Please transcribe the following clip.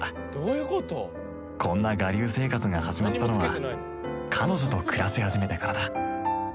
こんな我流生活が始まったのは彼女と暮らし始めてからだ